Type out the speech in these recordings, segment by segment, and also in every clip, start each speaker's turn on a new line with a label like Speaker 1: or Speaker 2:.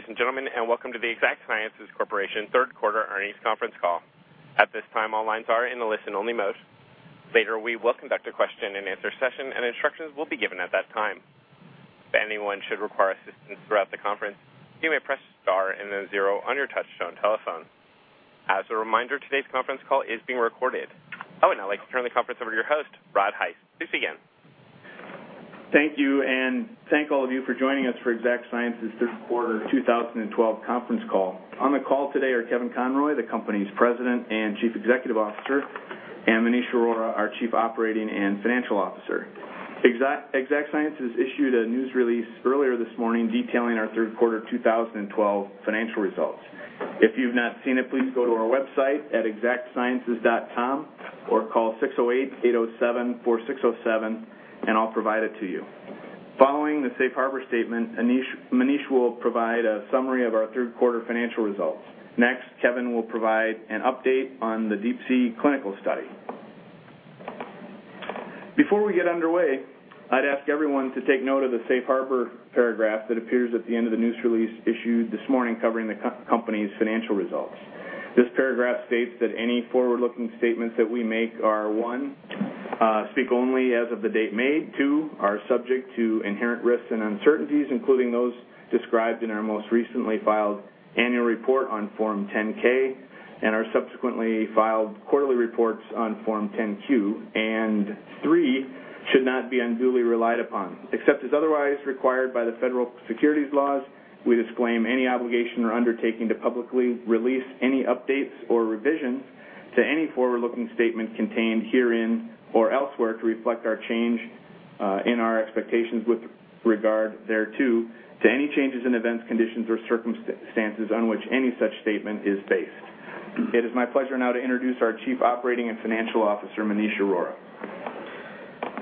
Speaker 1: Good day, ladies and gentlemen, and welcome to the Exact Sciences Corporation third quarter earnings conference call. At this time, all lines are in a listen-only mode. Later, we will conduct a question-and-answer session, and instructions will be given at that time. If anyone should require assistance throughout the conference, you may press star and then zero on your touch-tone telephone. As a reminder, today's conference call is being recorded. I would now like to turn the conference over to your host, Brad Heiss. Please begin.
Speaker 2: Thank you, and thank all of you for joining us for Exact Sciences third quarter 2012 conference call. On the call today are Kevin Conroy, the company's President and Chief Executive Officer, and Manish Arora, our Chief Operating and Financial Officer. Exact Sciences issued a news release earlier this morning detailing our third quarter 2012 financial results. If you've not seen it, please go to our website at exactsciences.com or call 608-807-4607, and I'll provide it to you. Following the safe harbor statement, Manish will provide a summary of our third quarter financial results. Next, Kevin will provide an update on the Deep-C clinical study. Before we get underway, I'd ask everyone to take note of the safe harbor paragraph that appears at the end of the news release issued this morning covering the company's financial results. This paragraph states that any forward-looking statements that we make are, one, speak only as of the date made, two, are subject to inherent risks and uncertainties, including those described in our most recently filed annual report on Form 10-K and our subsequently filed quarterly reports on Form 10-Q, and three, should not be unduly relied upon. Except as otherwise required by the federal securities laws, we disclaim any obligation or undertaking to publicly release any updates or revisions to any forward-looking statement contained herein or elsewhere to reflect our change in our expectations with regard thereto, to any changes in events, conditions, or circumstances on which any such statement is based. It is my pleasure now to introduce our Chief Operating and Financial Officer, Maneesh Arora.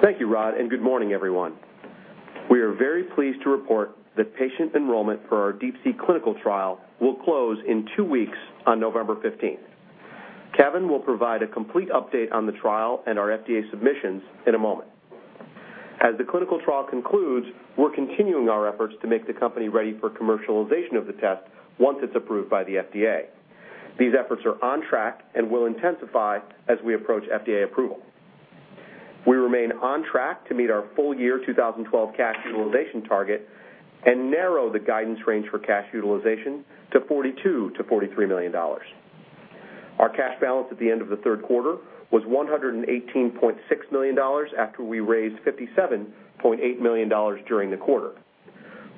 Speaker 3: Thank you, Rod, and good morning, everyone. We are very pleased to report that patient enrollment for our Deep-C clinical trial will close in two weeks on November 15th. Kevin will provide a complete update on the trial and our FDA submissions in a moment. As the clinical trial concludes, we're continuing our efforts to make the company ready for commercialization of the test once it's approved by the FDA. These efforts are on track and will intensify as we approach FDA approval. We remain on track to meet our full year 2012 cash utilization target and narrow the guidance range for cash utilization to $42 million-$43 million. Our cash balance at the end of the third quarter was $118.6 million after we raised $57.8 million during the quarter.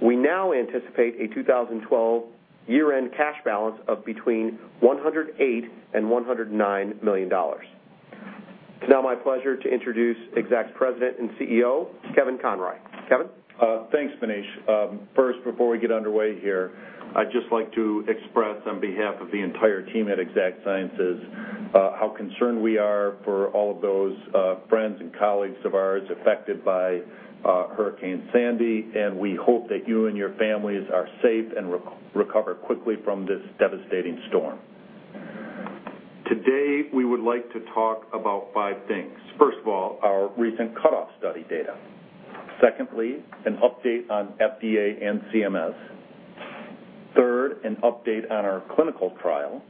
Speaker 3: We now anticipate a 2012 year-end cash balance of between $108 million and $109 million. It's now my pleasure to introduce Exact's President and CEO, Kevin Conroy. Kevin?
Speaker 4: Thanks, Manish. First, before we get underway here, I'd just like to express on behalf of the entire team at Exact Sciences how concerned we are for all of those friends and colleagues of ours affected by Hurricane Sandy, and we hope that you and your families are safe and recover quickly from this devastating storm. Today, we would like to talk about five things. First of all, our recent cutoff study data. Secondly, an update on FDA and CMS. Third, an update on our clinical trial.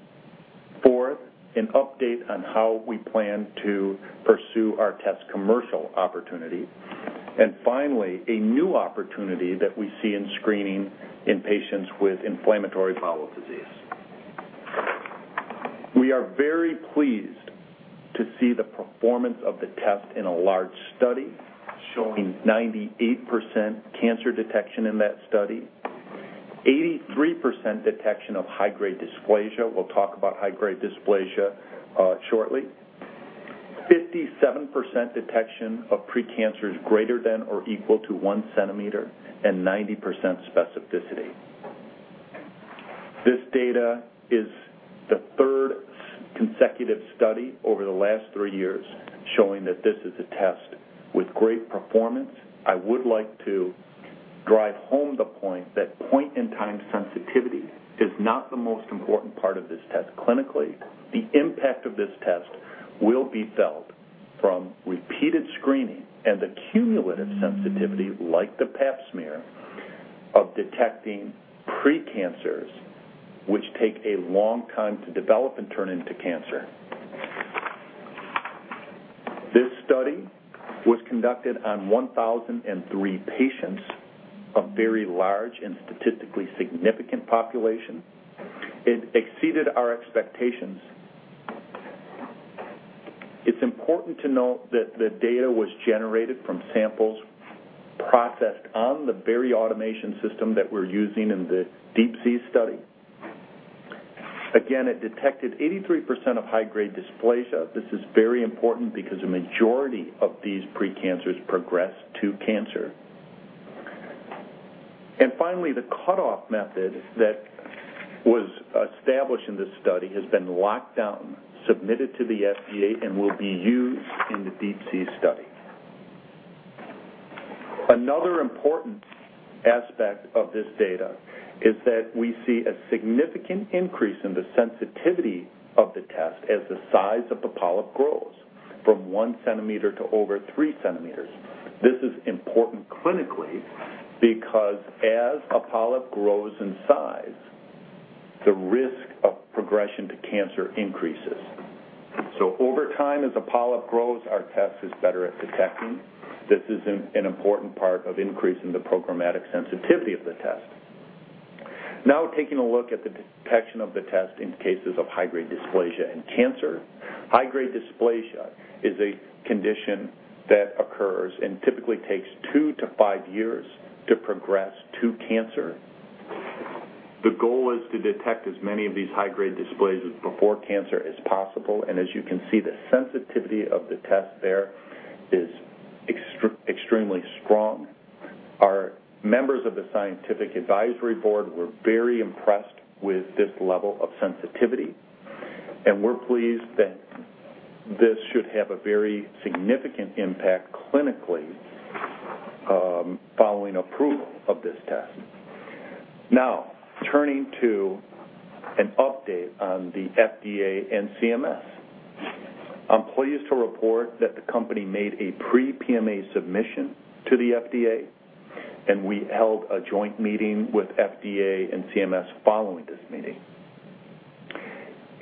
Speaker 4: Fourth, an update on how we plan to pursue our test commercial opportunity. And finally, a new opportunity that we see in screening in patients with inflammatory bowel disease. We are very pleased to see the performance of the test in a large study showing 98% cancer detection in that study, 83% detection of high-grade dysplasia; we'll talk about high-grade dysplasia shortly, 57% detection of precancers greater than or equal to 1 centimeter, and 90% specificity. This data is the third consecutive study over the last three years showing that this is a test with great performance. I would like to drive home the point that point-in-time sensitivity is not the most important part of this test. Clinically, the impact of this test will be felt from repeated screening and the cumulative sensitivity, like the Pap Smear, of detecting precancers which take a long time to develop and turn into cancer. This study was conducted on 1,003 patients, a very large and statistically significant population. It exceeded our expectations. It's important to note that the data was generated from samples processed on the very automation system that we're using in the Deep-C Study. Again, it detected 83% of high-grade dysplasia. This is very important because the majority of these precancers progress to cancer. Finally, the cutoff method that was established in this study has been locked down, submitted to the FDA, and will be used in the Deep-C Study. Another important aspect of this data is that we see a significant increase in the sensitivity of the test as the size of the polyp grows from 1 centimeter to over 3 centimeters. This is important clinically because as a polyp grows in size, the risk of progression to cancer increases. Over time, as a polyp grows, our test is better at detecting. This is an important part of increasing the programmatic sensitivity of the test. Now, taking a look at the detection of the test in cases of high-grade dysplasia and cancer, high-grade dysplasia is a condition that occurs and typically takes two to five years to progress to cancer. The goal is to detect as many of these high-grade dysplasias before cancer as possible. As you can see, the sensitivity of the test there is extremely strong. Our members of the scientific advisory board were very impressed with this level of sensitivity, and we're pleased that this should have a very significant impact clinically following approval of this test. Now, turning to an update on the FDA and CMS, I'm pleased to report that the company made a pre-PMA submission to the FDA, and we held a joint meeting with FDA and CMS following this meeting.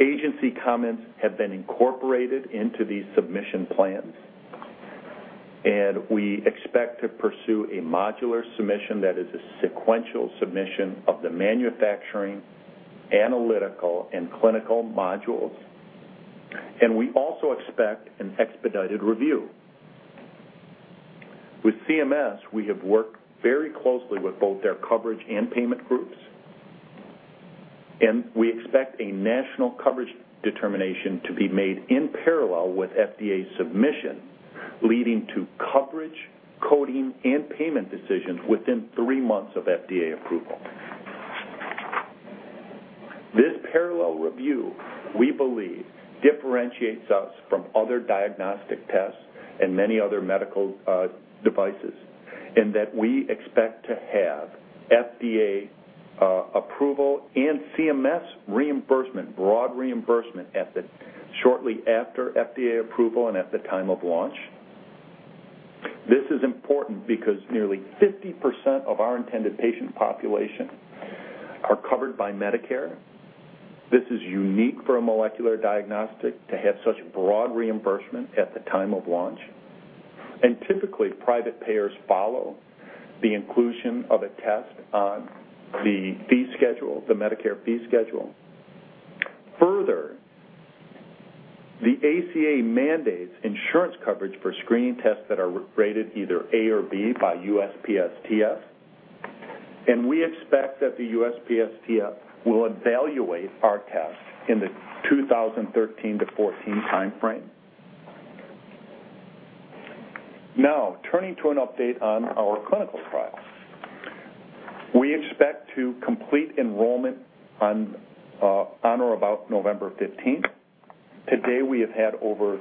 Speaker 4: Agency comments have been incorporated into these submission plans, and we expect to pursue a modular submission that is a sequential submission of the manufacturing, analytical, and clinical modules. We also expect an expedited review. With CMS, we have worked very closely with both their coverage and payment groups, and we expect a national coverage determination to be made in parallel with FDA submission, leading to coverage, coding, and payment decisions within three months of FDA approval. This parallel review, we believe, differentiates us from other diagnostic tests and many other medical devices in that we expect to have FDA approval and CMS reimbursement, broad reimbursement, shortly after FDA approval and at the time of launch. This is important because nearly 50% of our intended patient population are covered by Medicare. This is unique for a molecular diagnostic to have such broad reimbursement at the time of launch. Typically, private payers follow the inclusion of a test on the Medicare fee schedule. Further, the ACA mandates insurance coverage for screening tests that are rated either A or B by USPSTF, and we expect that the USPSTF will evaluate our test in the 2013 to 2014 timeframe. Now, turning to an update on our clinical trial. We expect to complete enrollment on or about November 15th. Today, we have had over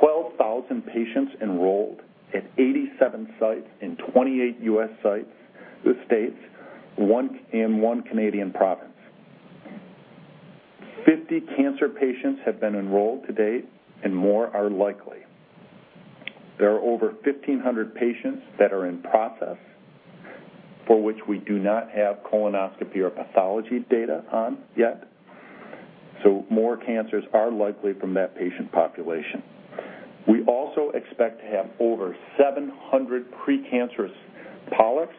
Speaker 4: 12,000 patients enrolled at 87 sites in 28 U.S. states and one Canadian province. Fifty cancer patients have been enrolled to date, and more are likely. There are over 1,500 patients that are in process for which we do not have colonoscopy or pathology data on yet. More cancers are likely from that patient population. We also expect to have over 700 precancerous polyps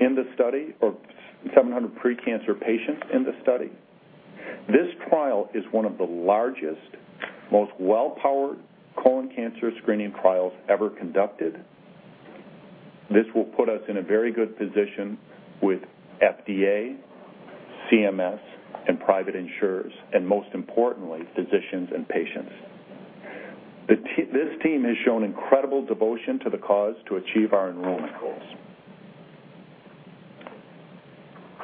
Speaker 4: in the study or 700 precancer patients in the study. This trial is one of the largest, most well-powered colon cancer screening trials ever conducted. This will put us in a very good position with FDA, CMS, and private insurers, and most importantly, physicians and patients. This team has shown incredible devotion to the cause to achieve our enrollment goals.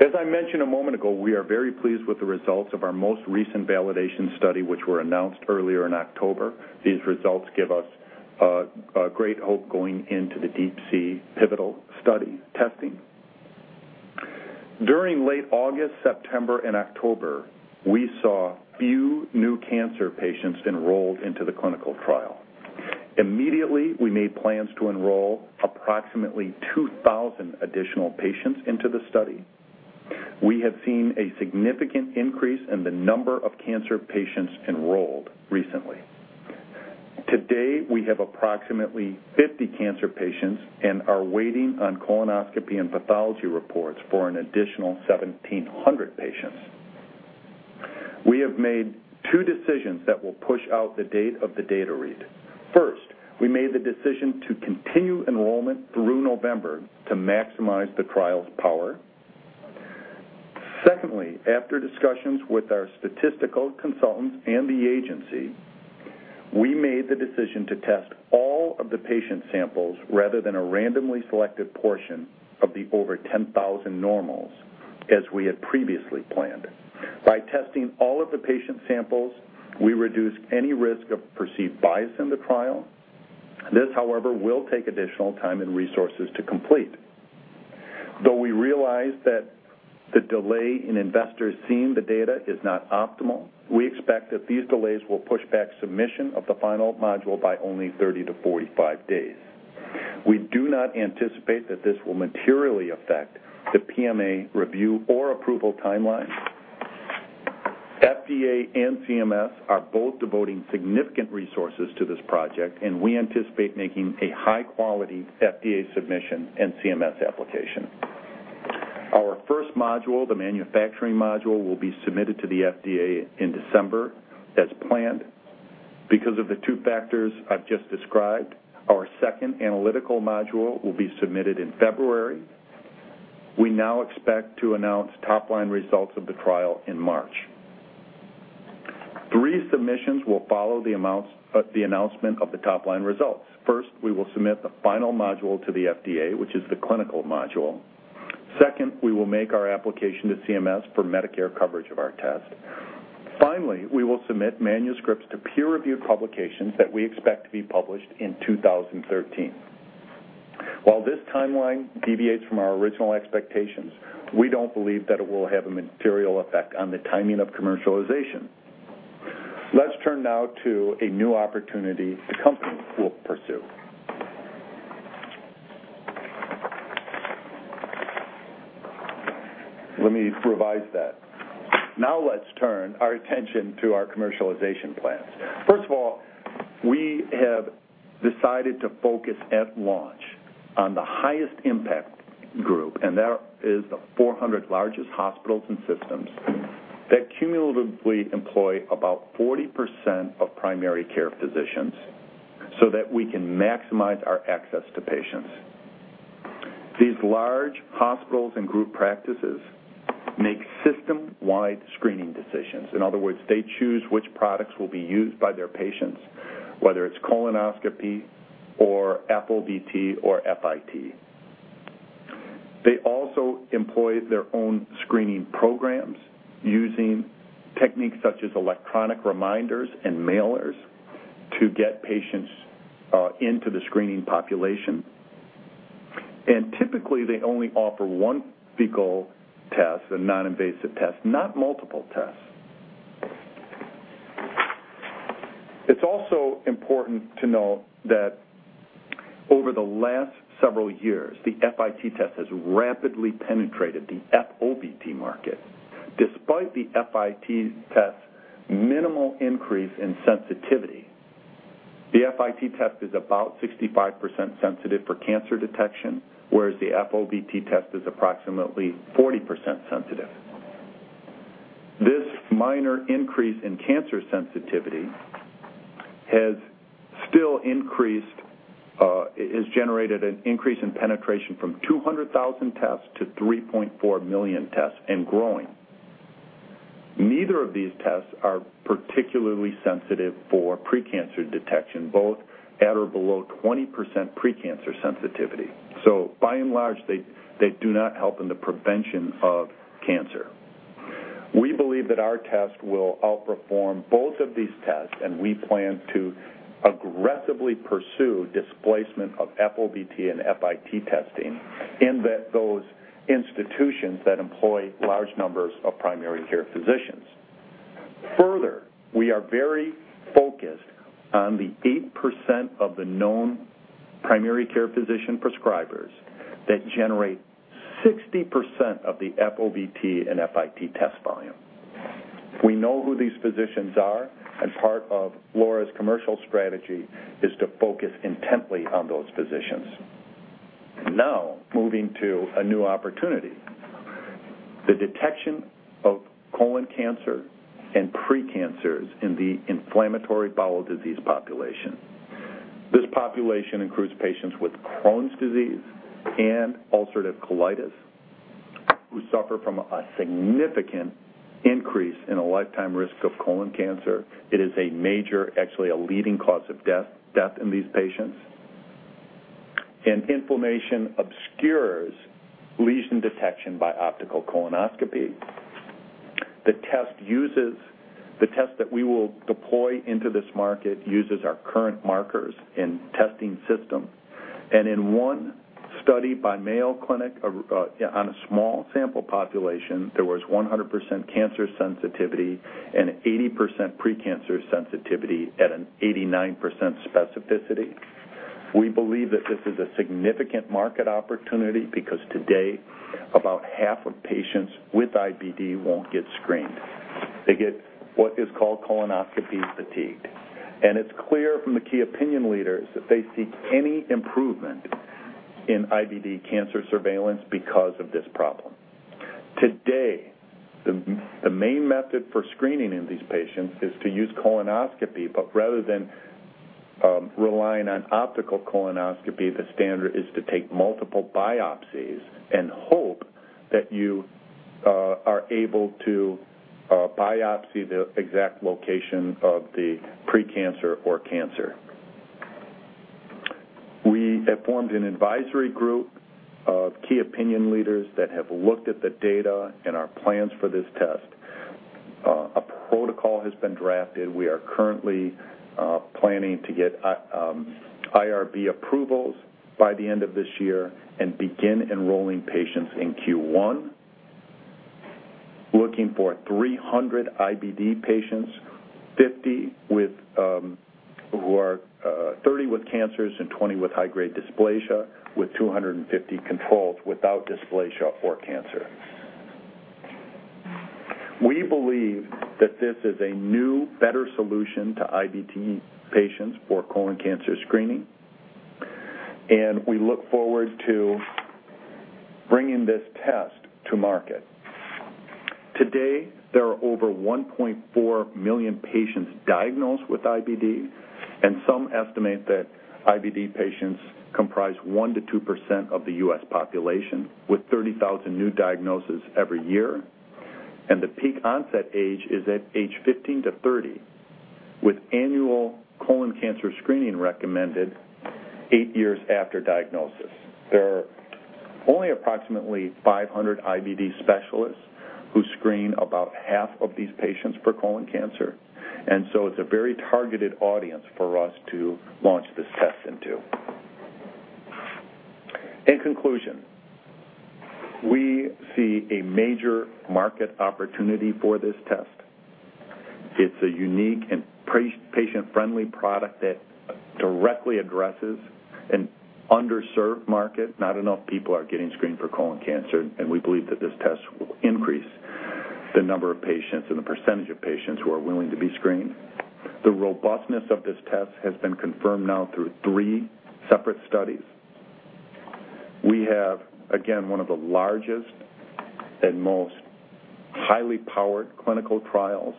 Speaker 4: As I mentioned a moment ago, we are very pleased with the results of our most recent validation study, which were announced earlier in October. These results give us great hope going into the Deep-C pivotal study testing. During late August, September, and October, we saw few new cancer patients enrolled into the clinical trial. Immediately, we made plans to enroll approximately 2,000 additional patients into the study. We have seen a significant increase in the number of cancer patients enrolled recently. Today, we have approximately 50 cancer patients and are waiting on colonoscopy and pathology reports for an additional 1,700 patients. We have made two decisions that will push out the date of the data read. First, we made the decision to continue enrollment through November to maximize the trial's power. Secondly, after discussions with our statistical consultants and the agency, we made the decision to test all of the patient samples rather than a randomly selected portion of the over 10,000 normals as we had previously planned. By testing all of the patient samples, we reduced any risk of perceived bias in the trial. This, however, will take additional time and resources to complete. Though we realize that the delay in investors seeing the data is not optimal, we expect that these delays will push back submission of the final module by only 30-45 days. We do not anticipate that this will materially affect the PMA review or approval timeline. FDA and CMS are both devoting significant resources to this project, and we anticipate making a high-quality FDA submission and CMS application. Our first module, the manufacturing module, will be submitted to the FDA in December as planned. Because of the two factors I've just described, our second analytical module will be submitted in February. We now expect to announce top-line results of the trial in March. Three submissions will follow the announcement of the top-line results. First, we will submit the final module to the FDA, which is the clinical module. Second, we will make our application to CMS for Medicare coverage of our test. Finally, we will submit manuscripts to peer-reviewed publications that we expect to be published in 2013. While this timeline deviates from our original expectations, we don't believe that it will have a material effect on the timing of commercialization. Let's turn now to a new opportunity the company will pursue. Let me revise that. Now, let's turn our attention to our commercialization plans. First of all, we have decided to focus at launch on the highest impact group, and that is the 400 largest hospitals and systems that cumulatively employ about 40% of primary care physicians so that we can maximize our access to patients. These large hospitals and group practices make system-wide screening decisions. In other words, they choose which products will be used by their patients, whether it's colonoscopy or gFOBT or FIT. They also employ their own screening programs using techniques such as electronic reminders and mailers to get patients into the screening population. Typically, they only offer one fecal test, a non-invasive test, not multiple tests. It is also important to note that over the last several years, the FIT test has rapidly penetrated the gFOBT market. Despite the FIT test's minimal increase in sensitivity, the FIT test is about 65% sensitive for cancer detection, whereas the gFOBT test is approximately 40% sensitive. This minor increase in cancer sensitivity has still generated an increase in penetration from 200,000 tests to 3.4 million tests and growing. Neither of these tests are particularly sensitive for precancer detection, both at or below 20% precancer sensitivity. By and large, they do not help in the prevention of cancer. We believe that our test will outperform both of these tests, and we plan to aggressively pursue displacement of gFOBT and FIT testing in those institutions that employ large numbers of primary care physicians. Further, we are very focused on the 8% of the known primary care physician prescribers that generate 60% of the gFOBT and FIT test volume. We know who these physicians are, and part of Laura's commercial strategy is to focus intently on those physicians. Now, moving to a new opportunity: the detection of colon cancer and precancers in the inflammatory bowel disease population. This population includes patients with Crohn's disease and ulcerative colitis who suffer from a significant increase in a lifetime risk of colon cancer. It is a major, actually a leading cause of death in these patients. Inflammation obscures lesion detection by optical colonoscopy. The test that we will deploy into this market uses our current markers and testing system. In one study by Mayo Clinic on a small sample population, there was 100% cancer sensitivity and 80% precancer sensitivity at an 89% specificity. We believe that this is a significant market opportunity because today, about half of patients with IBD won't get screened. They get what is called colonoscopy fatigued. It is clear from the key opinion leaders that they seek any improvement in IBD cancer surveillance because of this problem. Today, the main method for screening in these patients is to use colonoscopy, but rather than relying on optical colonoscopy, the standard is to take multiple biopsies and hope that you are able to biopsy the exact location of the precancer or cancer. We have formed an advisory group of key opinion leaders that have looked at the data and our plans for this test. A protocol has been drafted. We are currently planning to get IRB approvals by the end of this year and begin enrolling patients in Q1, looking for 300 IBD patients, 30 with cancers and 20 with high-grade dysplasia, with 250 controls without dysplasia or cancer. We believe that this is a new, better solution to IBD patients for colon cancer screening, and we look forward to bringing this test to market. Today, there are over 1.4 million patients diagnosed with IBD, and some estimate that IBD patients comprise 1%-2% of the U.S. population, with 30,000 new diagnoses every year. The peak onset age is at age 15 to 30, with annual colon cancer screening recommended eight years after diagnosis. There are only approximately 500 IBD specialists who screen about half of these patients for colon cancer, and so it's a very targeted audience for us to launch this test into. In conclusion, we see a major market opportunity for this test. It's a unique and patient-friendly product that directly addresses an underserved market. Not enough people are getting screened for colon cancer, and we believe that this test will increase the number of patients and the percentage of patients who are willing to be screened. The robustness of this test has been confirmed now through three separate studies. We have, again, one of the largest and most highly powered clinical trials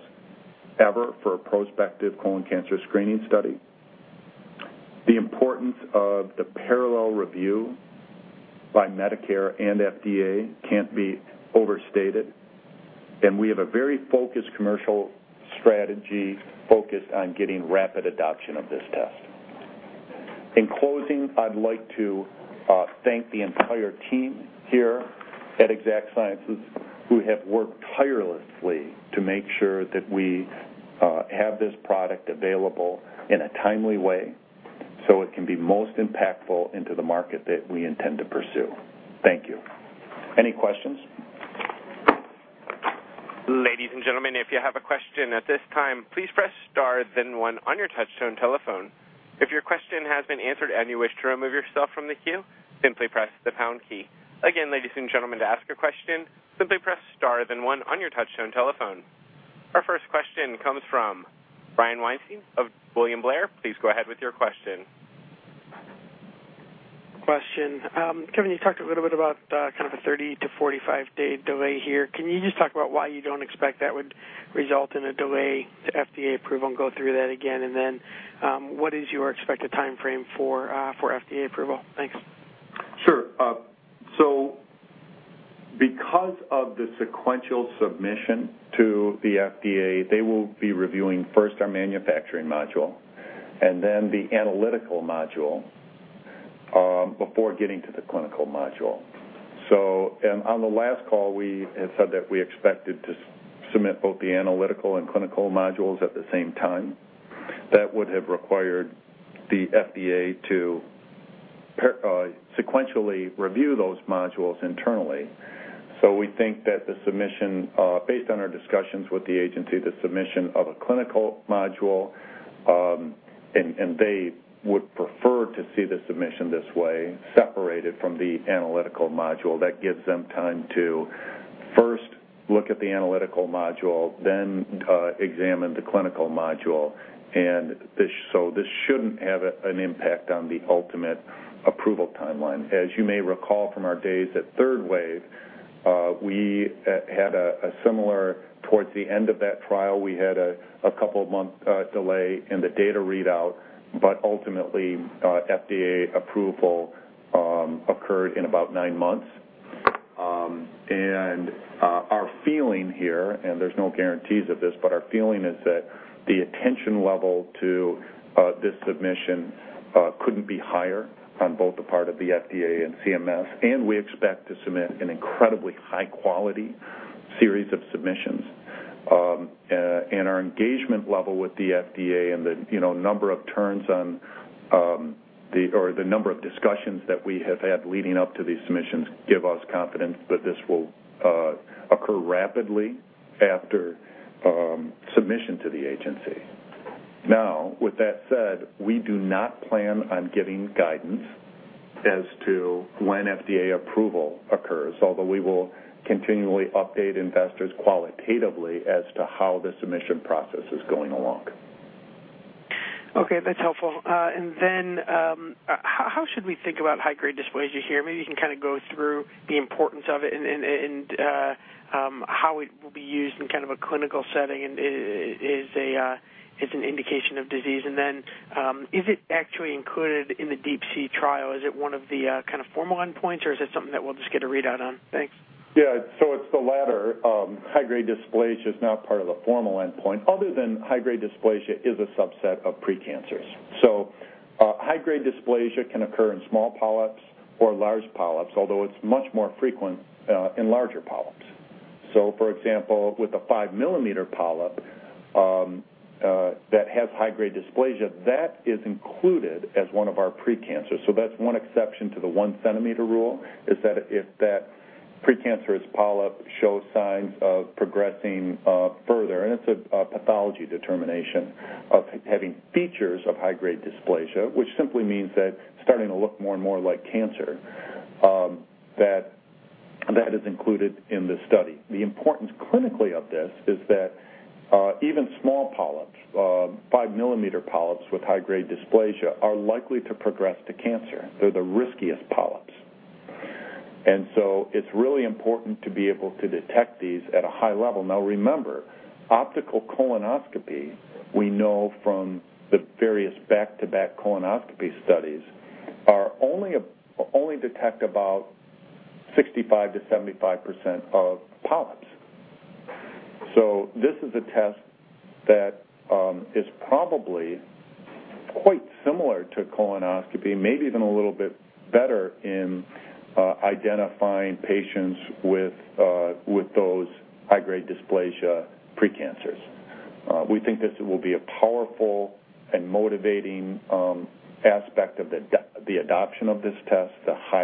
Speaker 4: ever for a prospective colon cancer screening study. The importance of the parallel review by Medicare and FDA can't be overstated, and we have a very focused commercial strategy focused on getting rapid adoption of this test. In closing, I'd like to thank the entire team here at Exact Sciences who have worked tirelessly to make sure that we have this product available in a timely way so it can be most impactful into the market that we intend to pursue. Thank you. Any questions?
Speaker 1: Ladies and gentlemen, if you have a question at this time, please press star then one on your touchstone telephone. If your question has been answered and you wish to remove yourself from the queue, simply press the pound key. Again, ladies and gentlemen, to ask a question, simply press star then one on your touchstone telephone. Our first question comes from Brian Weinstein of William Blair. Please go ahead with your question.
Speaker 5: Question. Kevin, you talked a little bit about kind of a 30-45 day delay here. Can you just talk about why you don't expect that would result in a delay to FDA approval and go through that again? What is your expected timeframe for FDA approval? Thanks.
Speaker 4: Sure. Because of the sequential submission to the FDA, they will be reviewing first our manufacturing module and then the analytical module before getting to the clinical module. On the last call, we had said that we expected to submit both the analytical and clinical modules at the same time. That would have required the FDA to sequentially review those modules internally. We think that the submission, based on our discussions with the agency, the submission of a clinical module, and they would prefer to see the submission this way separated from the analytical module. That gives them time to first look at the analytical module, then examine the clinical module. This should not have an impact on the ultimate approval timeline. As you may recall from our days at Third Wave Technologies, we had a similar, towards the end of that trial, we had a couple of months' delay in the data readout, but ultimately, FDA approval occurred in about nine months. Our feeling here, and there are no guarantees of this, but our feeling is that the attention level to this submission could not be higher on both the part of the FDA and CMS. We expect to submit an incredibly high-quality series of submissions. Our engagement level with the FDA and the number of turns on the, or the number of discussions that we have had leading up to these submissions, give us confidence that this will occur rapidly after submission to the agency. Now, with that said, we do not plan on giving guidance as to when FDA approval occurs, although we will continually update investors qualitatively as to how the submission process is going along.
Speaker 5: Okay. That's helpful. And then how should we think about high-grade dysplasia here? Maybe you can kind of go through the importance of it and how it will be used in kind of a clinical setting and is an indication of disease. And then is it actually included in the Deep-C Study? Is it one of the kind of formal endpoints, or is it something that we'll just get a readout on? Thanks.
Speaker 4: Yeah. So it's the latter. High-grade dysplasia is not part of the formal endpoint. Other than high-grade dysplasia is a subset of precancers. So high-grade dysplasia can occur in small polyps or large polyps, although it's much more frequent in larger polyps. For example, with a 5 mm polyp that has high-grade dysplasia, that is included as one of our precancers. That's one exception to the 1-centimeter rule, that if that precancerous polyp shows signs of progressing further, and it's a pathology determination of having features of high-grade dysplasia, which simply means that starting to look more and more like cancer, that is included in the study. The importance clinically of this is that even small polyps, 5 mm polyps with high-grade dysplasia, are likely to progress to cancer. They're the riskiest polyps. It's really important to be able to detect these at a high level. Now, remember, optical colonoscopy, we know from the various back-to-back colonoscopy studies, only detects about 65%-75% of polyps. This is a test that is probably quite similar to colonoscopy, maybe even a little bit better in identifying patients with those high-grade dysplasia precancers. We think this will be a powerful and motivating aspect of the adoption of this test, the high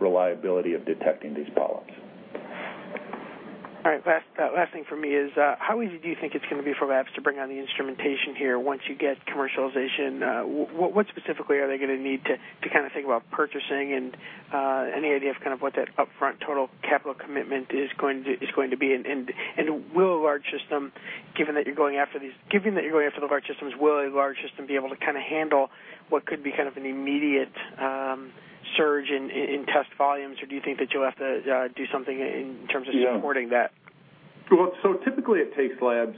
Speaker 4: reliability of detecting these polyps.
Speaker 5: All right. Last thing for me is how easy do you think it's going to be for labs to bring on the instrumentation here once you get commercialization? What specifically are they going to need to kind of think about purchasing and any idea of kind of what that upfront total capital commitment is going to be? Given that you're going after the large systems, will a large system be able to kind of handle what could be kind of an immediate surge in test volumes, or do you think that you'll have to do something in terms of supporting that?
Speaker 4: Typically, it takes labs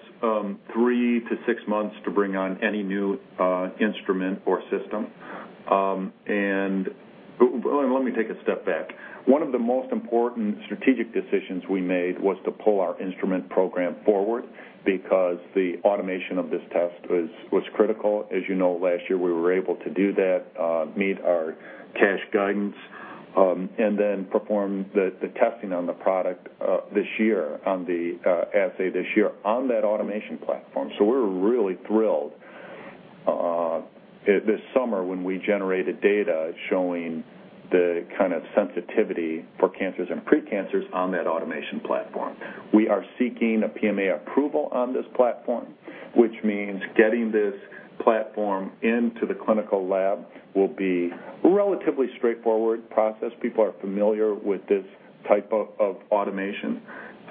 Speaker 4: three to six months to bring on any new instrument or system. Let me take a step back. One of the most important strategic decisions we made was to pull our instrument program forward because the automation of this test was critical. As you know, last year, we were able to do that, meet our cash guidance, and then perform the testing on the product this year, on the assay this year on that automation platform. We were really thrilled this summer when we generated data showing the kind of sensitivity for cancers and precancers on that automation platform. We are seeking a PMA approval on this platform, which means getting this platform into the clinical lab will be a relatively straightforward process. People are familiar with this type of automation,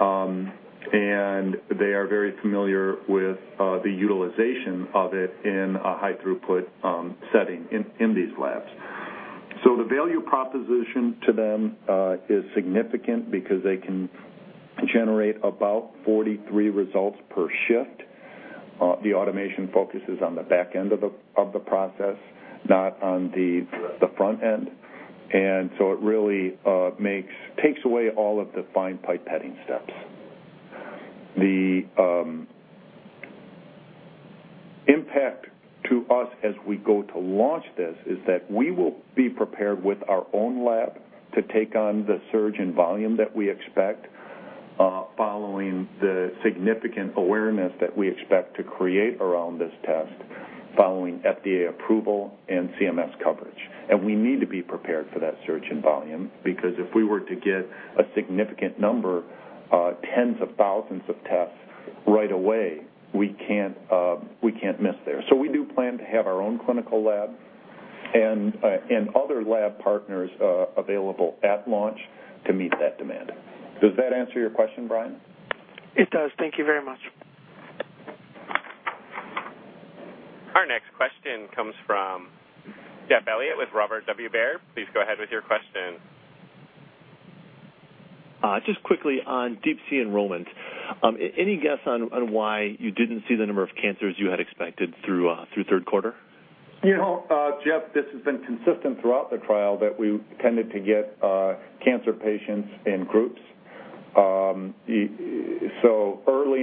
Speaker 4: and they are very familiar with the utilization of it in a high-throughput setting in these labs. The value proposition to them is significant because they can generate about 43 results per shift. The automation focuses on the back end of the process, not on the front end. It really takes away all of the fine pipetting steps. The impact to us as we go to launch this is that we will be prepared with our own lab to take on the surge in volume that we expect following the significant awareness that we expect to create around this test following FDA approval and CMS coverage. We need to be prepared for that surge in volume because if we were to get a significant number, tens of thousands of tests right away, we can't miss there. We do plan to have our own clinical lab and other lab partners available at launch to meet that demand. Does that answer your question, Brian?
Speaker 5: It does. Thank you very much.
Speaker 1: Our next question comes from Jeff Elliott with Robert W. Baird. Please go ahead with your question.
Speaker 6: Just quickly on Deep-C enrollment, any guess on why you did not see the number of cancers you had expected through third quarter?
Speaker 4: Jeff, this has been consistent throughout the trial that we tended to get cancer patients in groups. Early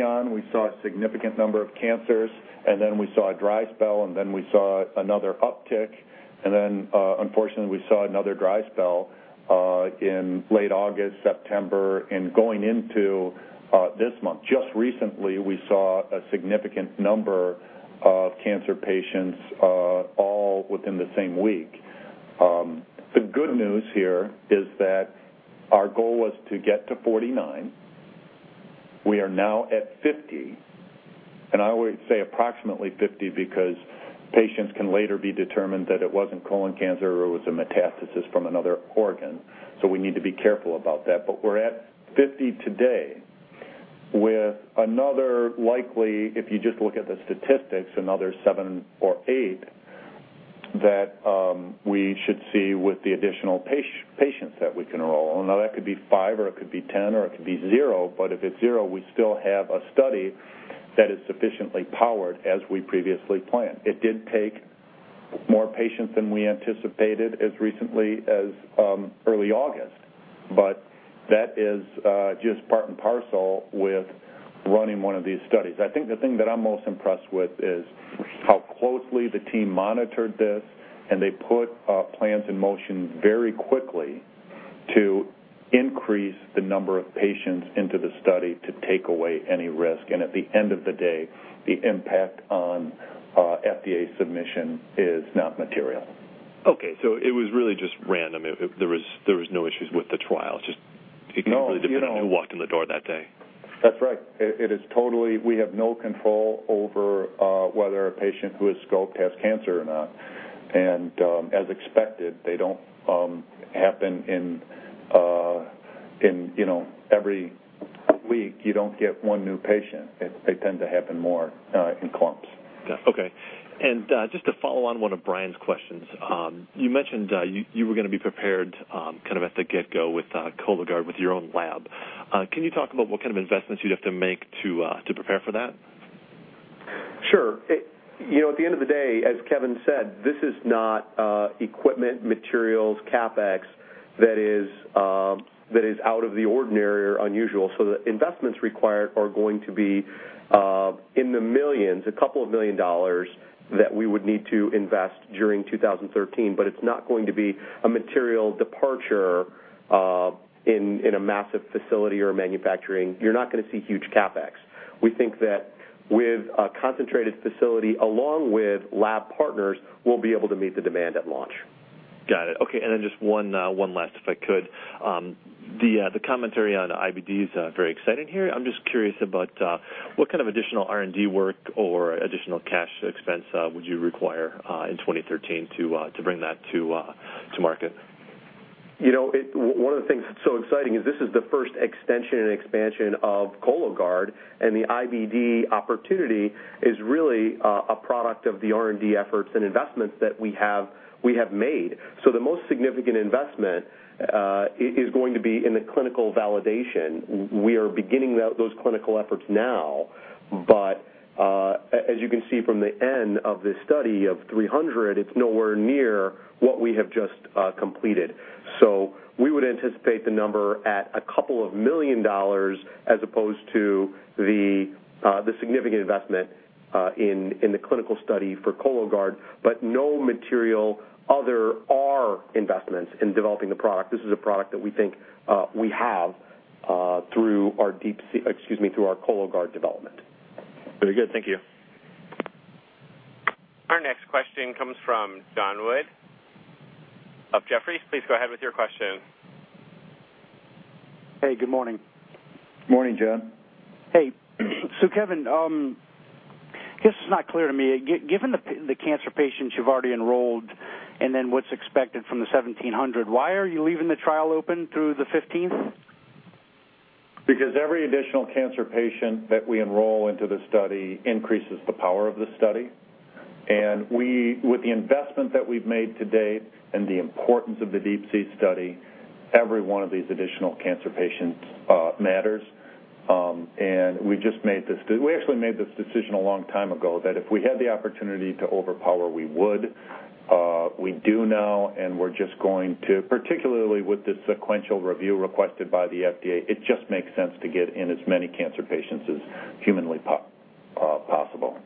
Speaker 4: on, we saw a significant number of cancers, and then we saw a dry spell, and then we saw another uptick. Unfortunately, we saw another dry spell in late August, September, and going into this month. Just recently, we saw a significant number of cancer patients all within the same week. The good news here is that our goal was to get to 49. We are now at 50. I always say approximately 50 because patients can later be determined that it was not colon cancer or it was a metastasis from another organ. We need to be careful about that. We're at 50 today with another likely, if you just look at the statistics, another seven or eight that we should see with the additional patients that we can enroll. Now that could be 5, or it could be 10, or it could be 0. If it's 0, we still have a study that is sufficiently powered as we previously planned. It did take more patients than we anticipated as recently as early August, but that is just part and parcel with running one of these studies. I think the thing that I'm most impressed with is how closely the team monitored this, and they put plans in motion very quickly to increase the number of patients into the study to take away any risk. At the end of the day, the impact on FDA submission is not material.
Speaker 6: Okay. It was really just random. There were no issues with the trial. It just completely depended who walked in the door that day.
Speaker 4: That's right. We have no control over whether a patient who is scoped has cancer or not. As expected, they don't happen in every week. You don't get one new patient. They tend to happen more in clumps.
Speaker 6: Okay. Just to follow on one of Brian's questions, you mentioned you were going to be prepared kind of at the get-go with Cologuard with your own lab. Can you talk about what kind of investments you'd have to make to prepare for that?
Speaker 3: Sure. At the end of the day, as Kevin said, this is not equipment, materials, CapEx that is out of the ordinary or unusual. The investments required are going to be in the millions, a couple of million dollars that we would need to invest during 2013, but it's not going to be a material departure in a massive facility or manufacturing. You're not going to see huge CapEx. We think that with a concentrated facility along with lab partners, we'll be able to meet the demand at launch.
Speaker 6: Got it. Okay. And then just one last, if I could. The commentary on IBD is very exciting here. I'm just curious about what kind of additional R&D work or additional cash expense would you require in 2013 to bring that to market?
Speaker 4: One of the things that's so exciting is this is the first extension and expansion of Cologuard, and the IBD opportunity is really a product of the R&D efforts and investments that we have made. The most significant investment is going to be in the clinical validation. We are beginning those clinical efforts now, but as you can see from the end of this study of 300, it's nowhere near what we have just completed. We would anticipate the number at a couple of million dollars as opposed to the significant investment in the clinical study for Cologuard, but no material other R investments in developing the product. This is a product that we think we have through our Deep-C, excuse me, through our Cologuard development.
Speaker 6: Very good. Thank you.
Speaker 1: Our next question comes from John Wood of Jefferies. Please go ahead with your question.
Speaker 7: Hey. Good morning.
Speaker 1: Good morning, John.
Speaker 7: Hey. So Kevin, I guess it's not clear to me. Given the cancer patients you've already enrolled and then what's expected from the 1,700, why are you leaving the trial open through the 15th?
Speaker 4: Because every additional cancer patient that we enroll into the study increases the power of the study. With the investment that we've made to date and the importance of the Deep-C study, every one of these additional cancer patients matters. We actually made this decision a long time ago that if we had the opportunity to overpower, we would. We do now, and we're just going to, particularly with the sequential review requested by the FDA, it just makes sense to get in as many cancer patients as humanly possible.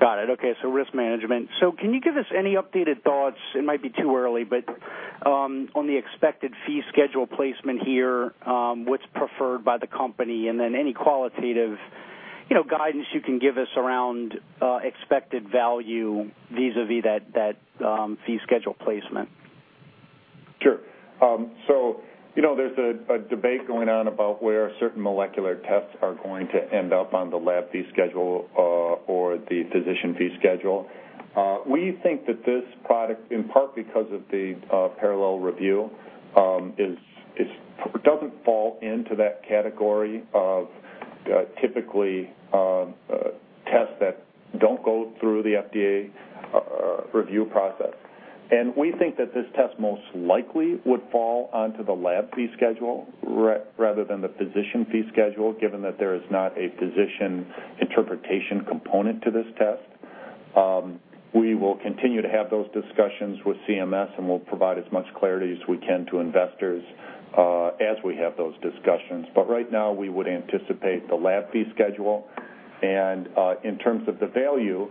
Speaker 7: Got it. Okay. Risk management. Can you give us any updated thoughts? It might be too early, but on the expected fee schedule placement here, what's preferred by the company, and then any qualitative guidance you can give us around expected value vis-à-vis that fee schedule placement?
Speaker 4: Sure. There is a debate going on about where certain molecular tests are going to end up on the lab fee schedule or the physician fee schedule. We think that this product, in part because of the parallel review, does not fall into that category of typically tests that do not go through the FDA review process. We think that this test most likely would fall onto the lab fee schedule rather than the physician fee schedule, given that there is not a physician interpretation component to this test. We will continue to have those discussions with CMS, and we will provide as much clarity as we can to investors as we have those discussions. Right now, we would anticipate the lab fee schedule. In terms of the value,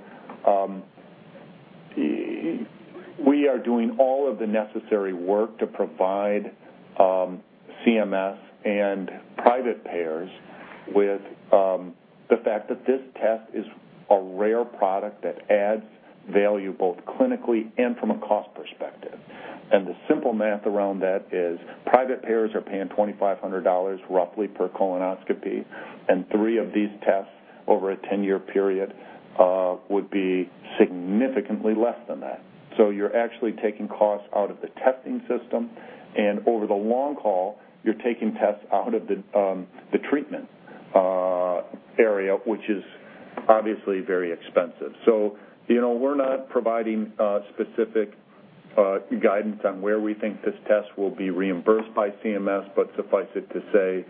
Speaker 4: we are doing all of the necessary work to provide CMS and private payers with the fact that this test is a rare product that adds value both clinically and from a cost perspective. The simple math around that is private payers are paying $2,500 roughly per colonoscopy, and three of these tests over a 10-year period would be significantly less than that. You are actually taking costs out of the testing system, and over the long haul, you are taking tests out of the treatment area, which is obviously very expensive. We are not providing specific guidance on where we think this test will be reimbursed by CMS, but suffice it to say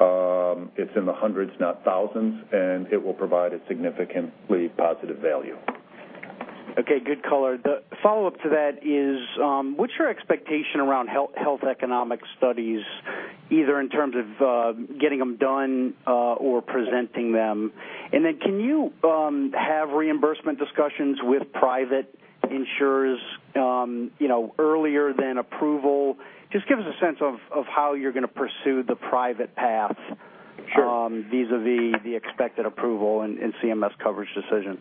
Speaker 4: it is in the hundreds, not thousands, and it will provide a significantly positive value.
Speaker 7: Okay. Good color. The follow-up to that is, what's your expectation around health economic studies, either in terms of getting them done or presenting them? And then can you have reimbursement discussions with private insurers earlier than approval? Just give us a sense of how you're going to pursue the private path vis-à-vis the expected approval and CMS coverage decision.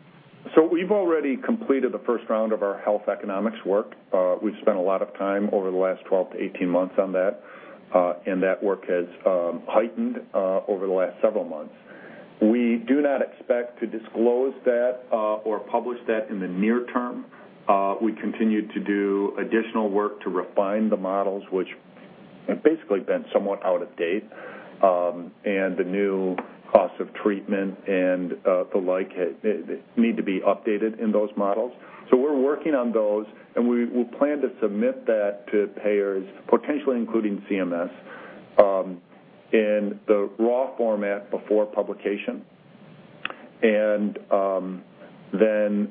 Speaker 4: We have already completed the first round of our health economics work. We have spent a lot of time over the last 12 to 18 months on that, and that work has heightened over the last several months. We do not expect to disclose that or publish that in the near term. We continue to do additional work to refine the models, which have basically been somewhat out of date, and the new costs of treatment and the like need to be updated in those models. We're working on those, and we plan to submit that to payers, potentially including CMS, in the raw format before publication.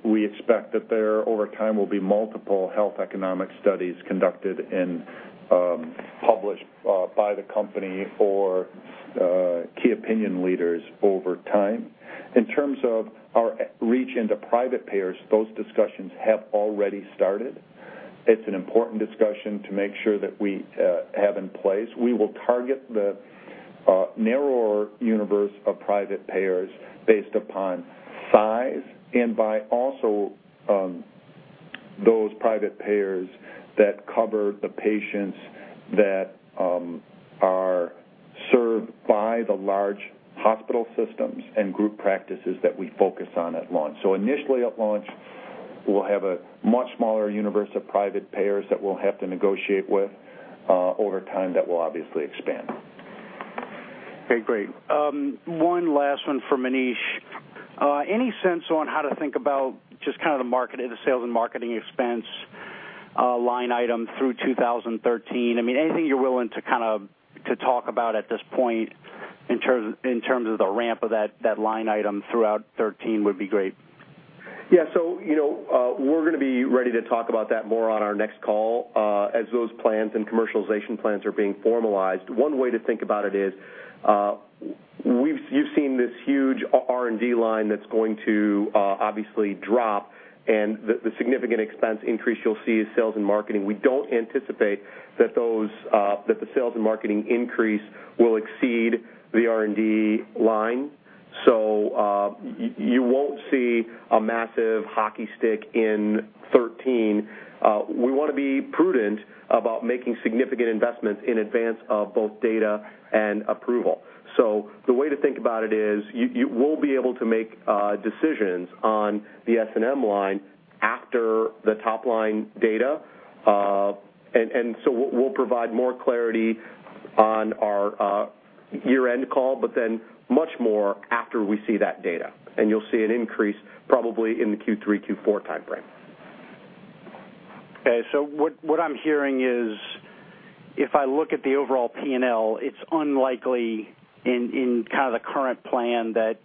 Speaker 4: We expect that there, over time, will be multiple health economic studies conducted and published by the company or key opinion leaders over time. In terms of our reach into private payers, those discussions have already started. It's an important discussion to make sure that we have in place. We will target the narrower universe of private payers based upon size and by also those private payers that cover the patients that are served by the large hospital systems and group practices that we focus on at launch. Initially, at launch, we'll have a much smaller universe of private payers that we'll have to negotiate with. Over time that will obviously expand.
Speaker 7: Okay. Great. One last one for Manish. Any sense on how to think about just kind of the sales and marketing expense line item through 2013? I mean, anything you're willing to kind of talk about at this point in terms of the ramp of that line item throughout 2013 would be great.
Speaker 3: Yeah. So we're going to be ready to talk about that more on our next call as those plans and commercialization plans are being formalized. One way to think about it is you've seen this huge R&D line that's going to obviously drop, and the significant expense increase you'll see is sales and marketing. We don't anticipate that the sales and marketing increase will exceed the R&D line. You won't see a massive hockey stick in 2013. We want to be prudent about making significant investments in advance of both data and approval. The way to think about it is we'll be able to make decisions on the S&M line after the top-line data. We'll provide more clarity on our year-end call, but then much more after we see that data. You'll see an increase probably in the Q3, Q4 timeframe.
Speaker 7: Okay. What I'm hearing is if I look at the overall P&L, it's unlikely in kind of the current plan that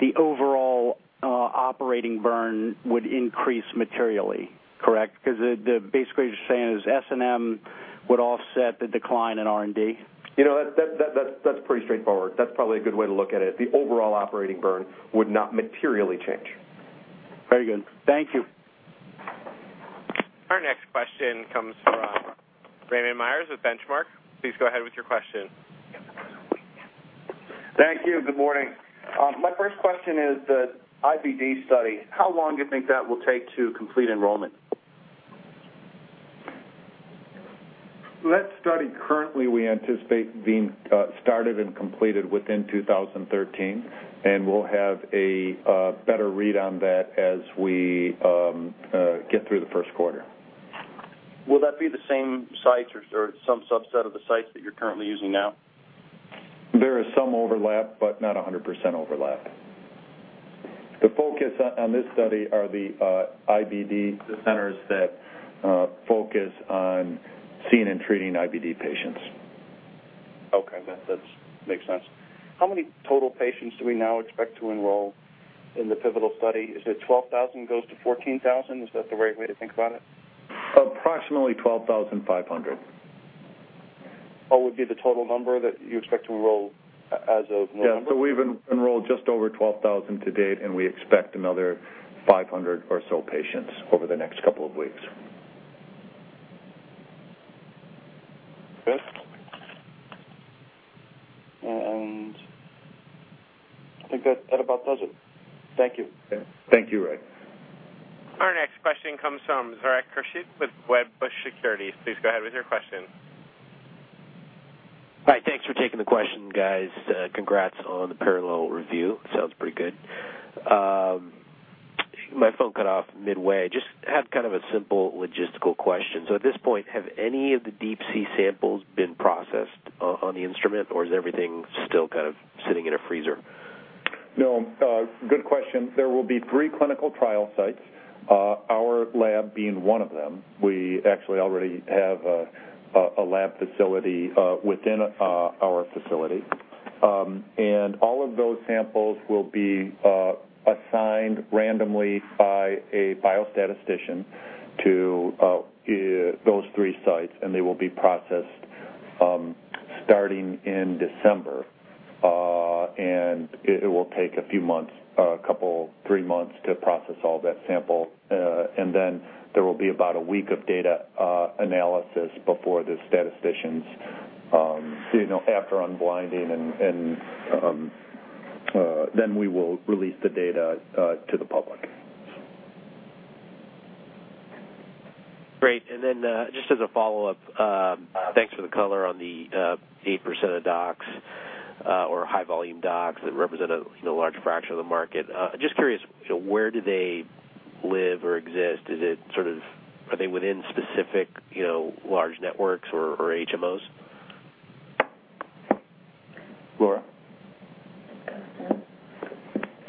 Speaker 7: the overall operating burn would increase materially, correct? Because basically what you're saying is S&M would offset the decline in R&D.
Speaker 3: That's pretty straightforward. That's probably a good way to look at it. The overall operating burn would not materially change.
Speaker 7: Very good. Thank you.
Speaker 1: Our next question comes from Raymond Myers with Benchmark. Please go ahead with your question.
Speaker 8: Thank you. Good morning. My first question is the IBD study. How long do you think that will take to complete enrollment?
Speaker 4: That study currently we anticipate being started and completed within 2013, and we'll have a better read on that as we get through the first quarter.
Speaker 8: Will that be the same sites or some subset of the sites that you're currently using now?
Speaker 4: There is some overlap, but not 100% overlap. The focus on this study are the IBD centers that focus on seeing and treating IBD patients.
Speaker 8: Okay. That makes sense. How many total patients do we now expect to enroll in the pivotal study? Is it 12,000 goes to 14,000? Is that the right way to think about it?
Speaker 4: Approximately 12,500.
Speaker 8: What would be the total number that you expect to enroll as of November?
Speaker 4: Yeah. We've enrolled just over 12,000 to date, and we expect another 500 or so patients over the next couple of weeks.
Speaker 8: Okay. I think that about does it. Thank you.
Speaker 4: Thank you, Ray. Our next question comes from Zorak Kershit with Wedbush Securities. Please go ahead with your question.
Speaker 9: Hi. Thanks for taking the question, guys. Congrats on the parallel review. Sounds pretty good. My phone cut off midway. Just had kind of a simple logistical question. At this point, have any of the Deep-C samples been processed on the instrument, or is everything still kind of sitting in a freezer?
Speaker 4: No. Good question. There will be three clinical trial sites, our lab being one of them. We actually already have a lab facility within our facility. All of those samples will be assigned randomly by a biostatistician to those three sites, and they will be processed starting in December. It will take a few months, a couple, three months to process all that sample. There will be about a week of data analysis before the statisticians after unblinding, and then we will release the data to the public.
Speaker 9: Great. Just as a follow-up, thanks for the color on the 8% of docs or high-volume docs that represent a large fraction of the market. Just curious, where do they live or exist? Is it sort of are they within specific large networks or HMOs?
Speaker 4: Laura.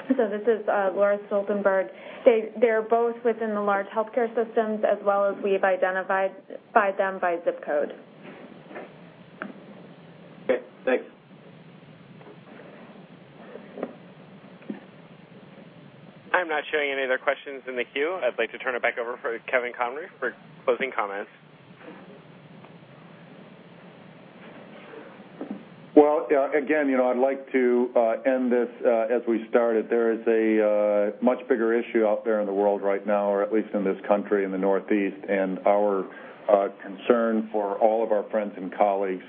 Speaker 10: This is Laura Stoltenberg. They're both within the large healthcare systems as well as we've identified them by zip code.
Speaker 9: Okay. Thanks.
Speaker 1: I'm not showing any other questions in the queue. I'd like to turn it back over for Kevin Conroy for closing comments.
Speaker 4: Again, I'd like to end this as we started. There is a much bigger issue out there in the world right now, or at least in this country in the Northeast. Our concern for all of our friends and colleagues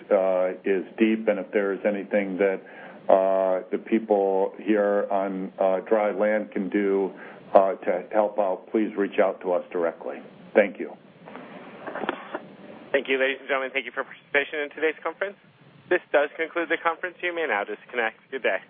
Speaker 4: is deep. If there is anything that the people here on dry land can do to help out, please reach out to us directly. Thank you.
Speaker 1: Thank you, ladies and gentlemen. Thank you for participating in today's conference. This does conclude the conference. You may now disconnect. Good day.